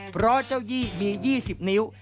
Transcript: เพราะเจ้ายี่มี๒๐นิ้ว